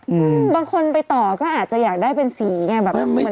หือบางคนไปต่อก็อาจจะอยากได้เป็นสีไงแบบ